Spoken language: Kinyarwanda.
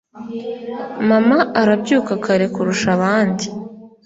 mama arabyuka kare kurusha abandi